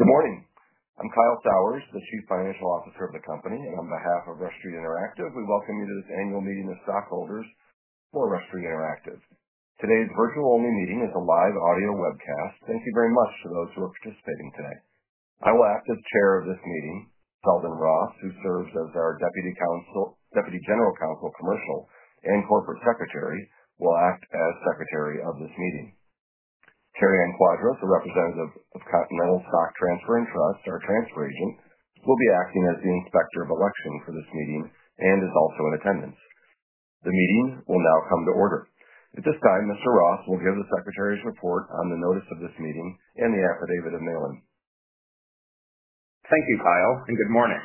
Good morning. I'm Kyle Sauers, the Chief Financial Officer of the company, and on behalf of Rush Street Interactive, we welcome you to this annual meeting of stockholders for Rush Street Interactive. Today's virtual only meeting is a live audio webcast. Thank you very much to those who are participating today. I will act as Chair of this meeting. Selden Ross, who serves as our Deputy General Counsel and Corporate Secretary, will act as Secretary of this meeting. Terry Anquadros, a representative of Continental Stock Transfer & Trust, our transfer agent, will be acting as the Inspector of Election for this meeting and is also in attendance. The meeting will now come to order. At this time, Mr. Ross will give the Secretary's report on the notice of this meeting and the affidavit of mailing. Thank you, Kyle, and good morning.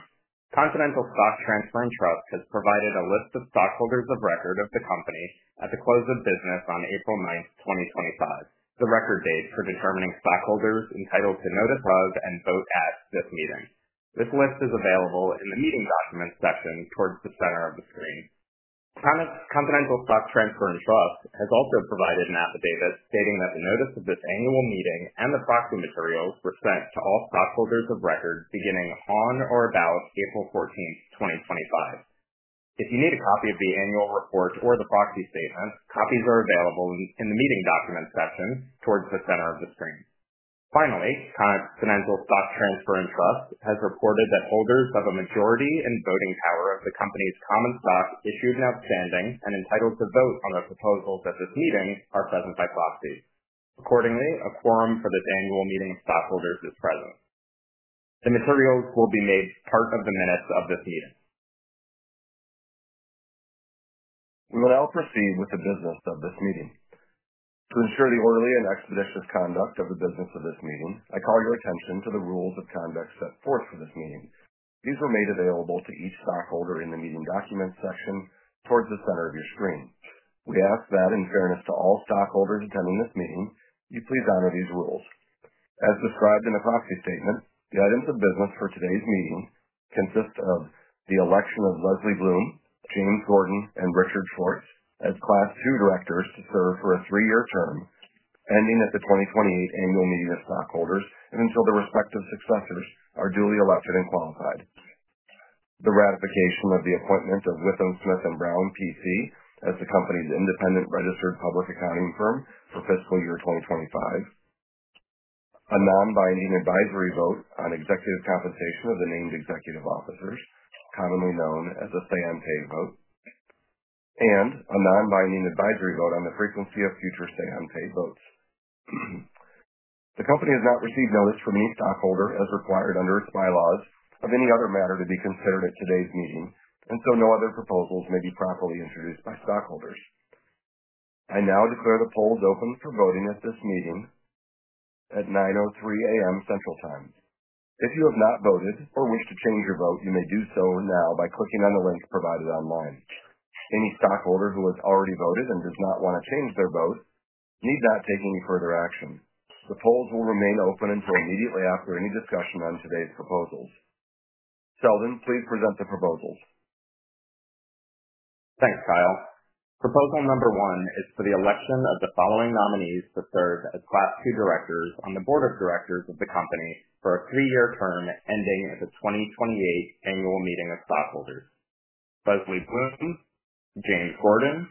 Continental Stock Transfer & Trust has provided a list of stockholders of record of the company at the close of business on April 9, 2025, the record date for determining stockholders entitled to notice of and vote at this meeting. This list is available in the meeting documents section towards the center of the screen. Continental Stock Transfer & Trust has also provided an affidavit stating that the notice of this annual meeting and the proxy materials were sent to all stockholders of record beginning on or about April 14, 2025. If you need a copy of the annual report or the proxy statement, copies are available in the meeting documents section towards the center of the screen. Finally, Continental Stock Transfer & Trust has reported that holders of a majority in voting power of the company's common stock issued and outstanding and entitled to vote on the proposals at this meeting are present by proxy. Accordingly, a quorum for this annual meeting of stockholders is present. The materials will be made part of the minutes of this meeting. We will now proceed with the business of this meeting. To ensure the orderly and expeditious conduct of the business of this meeting, I call your attention to the rules of conduct set forth for this meeting. These were made available to each stockholder in the meeting documents section towards the center of your screen. We ask that in fairness to all stockholders attending this meeting, you please honor these rules. As described in the proxy statement, the items of business for today's meeting consist of the election of Leslie Bluhm, James Gordon, and Richard Schwartz as Class 2 directors to serve for a three-year term ending at the 2028 annual meeting of stockholders and until their respective successors are duly elected and qualified. The ratification of the appointment of WithumSmith+Brown, P.C., as the company's independent registered public accounting firm for fiscal year 2025. A non-binding advisory vote on executive compensation of the named executive officers, commonly known as a say-on-pay vote. A non-binding advisory vote on the frequency of future say-on-pay votes. The company has not received notice from any stockholder, as required under its bylaws, of any other matter to be considered at today's meeting, and so no other proposals may be properly introduced by stockholders. I now declare the polls open for voting at this meeting at 9:03 A.M. Central Time. If you have not voted or wish to change your vote, you may do so now by clicking on the link provided online. Any stockholder who has already voted and does not want to change their vote need not take any further action. The polls will remain open until immediately after any discussion on today's proposals. Selden, please present the proposals. Thanks, Kyle. Proposal number one is for the election of the following nominees to serve as Class 2 directors on the board of directors of the company for a three-year term ending at the 2028 annual meeting of stockholders: Leslie Bluhm, James Gordon,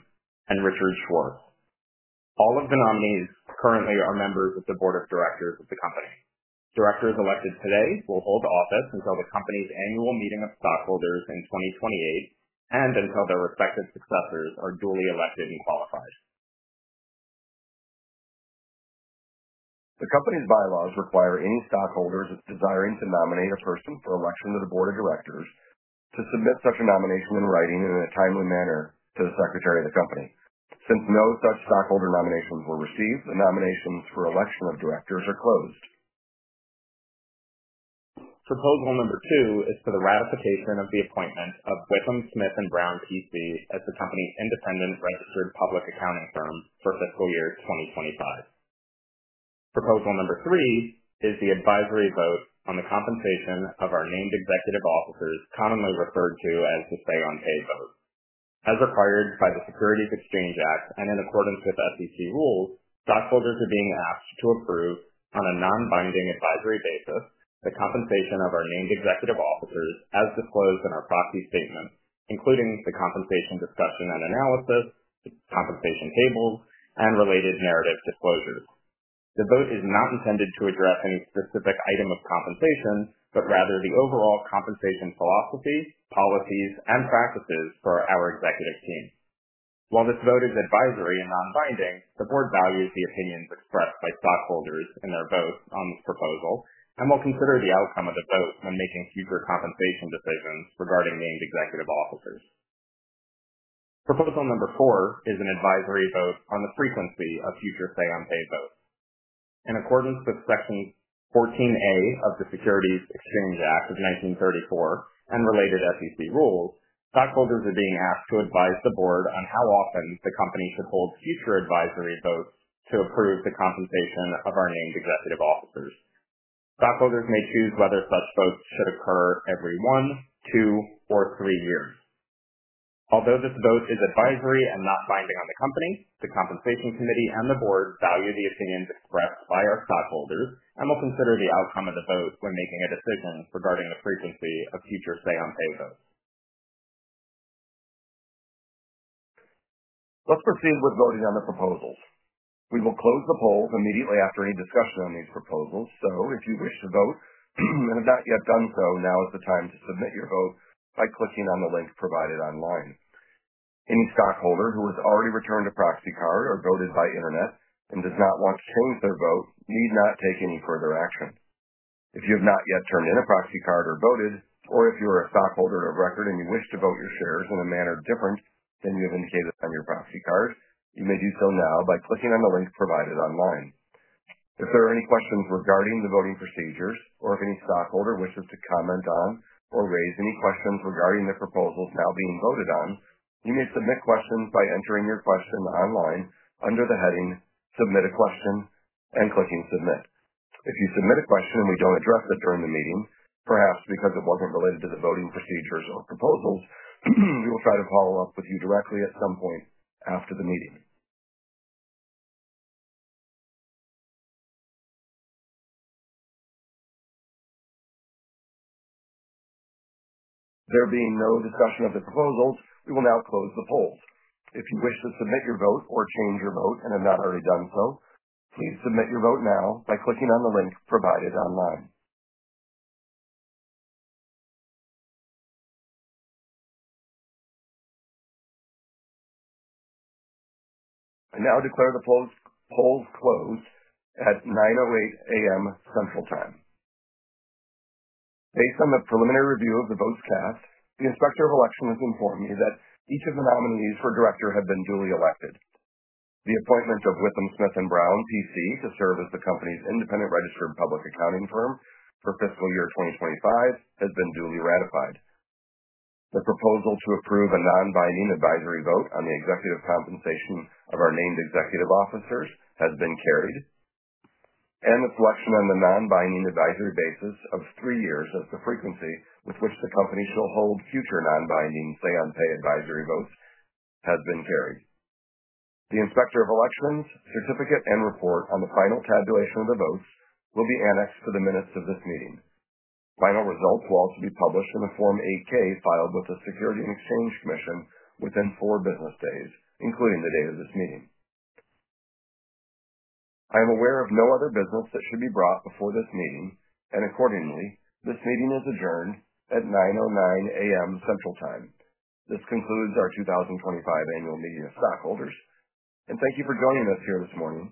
and Richard Schwartz. All of the nominees currently are members of the board of directors of the company. Directors elected today will hold office until the company's annual meeting of stockholders in 2028 and until their respective successors are duly elected and qualified. The company's bylaws require any stockholders desiring to nominate a person for election to the board of directors to submit such a nomination in writing and in a timely manner to the Secretary of the company. Since no such stockholder nominations were received, the nominations for election of directors are closed. Proposal number two is for the ratification of the appointment of Withum Smith+Brown, PC., as the company's independent registered public accounting firm for fiscal year 2025. Proposal number three is the advisory vote on the compensation of our named executive officers, commonly referred to as the say-on-pay vote. As required by the Securities Exchange Act and in accordance with SEC rules, stockholders are being asked to approve, on a non-binding advisory basis, the compensation of our named executive officers as disclosed in our proxy statement, including the compensation discussion and analysis, compensation tables, and related narrative disclosures. The vote is not intended to address any specific item of compensation, but rather the overall compensation philosophy, policies, and practices for our executive team. While this vote is advisory and non-binding, the board values the opinions expressed by stockholders in their votes on this proposal and will consider the outcome of the vote when making future compensation decisions regarding named executive officers. Proposal number four is an advisory vote on the frequency of future say-on-pay votes. In accordance with Section 14A of the Securities Exchange Act of 1934 and related SEC rules, stockholders are being asked to advise the board on how often the company should hold future advisory votes to approve the compensation of our named executive officers. Stockholders may choose whether such votes should occur every one, two, or three years. Although this vote is advisory and not binding on the company, the Compensation Committee and the board value the opinions expressed by our stockholders and will consider the outcome of the vote when making a decision regarding the frequency of future say-on-pay votes. Let's proceed with voting on the proposals. We will close the polls immediately after any discussion on these proposals, so if you wish to vote and have not yet done so, now is the time to submit your vote by clicking on the link provided online. Any stockholder who has already returned a proxy card or voted by internet and does not want to change their vote need not take any further action. If you have not yet turned in a proxy card or voted, or if you are a stockholder of record and you wish to vote your shares in a manner different than you have indicated on your proxy card, you may do so now by clicking on the link provided online. If there are any questions regarding the voting procedures or if any stockholder wishes to comment on or raise any questions regarding the proposals now being voted on, you may submit questions by entering your question online under the heading "Submit a Question" and clicking "Submit." If you submit a question and we do not address it during the meeting, perhaps because it was not related to the voting procedures or proposals, we will try to follow up with you directly at some point after the meeting. There being no discussion of the proposals, we will now close the polls. If you wish to submit your vote or change your vote and have not already done so, please submit your vote now by clicking on the link provided online. I now declare the polls closed at 9:08 A.M. Central Time. Based on the preliminary review of the votes cast, the Inspector of Election has informed me that each of the nominees for director have been duly elected. The appointment of Withum Smith+Brown, PC., to serve as the company's independent registered public accounting firm for fiscal year 2025 has been duly ratified. The proposal to approve a non-binding advisory vote on the executive compensation of our named executive officers has been carried. The selection on the non-binding advisory basis of three years as the frequency with which the company shall hold future non-binding say-on-pay advisory votes has been carried. The Inspector of Election's certificate and report on the final tabulation of the votes will be annexed to the minutes of this meeting. Final results will also be published in the Form 8-K filed with the Securities and Exchange Commission within four business days, including the date of this meeting. I am aware of no other business that should be brought before this meeting, and accordingly, this meeting is adjourned at 9:09 A.M. Central Time. This concludes our 2025 annual meeting of stockholders, and thank you for joining us here this morning.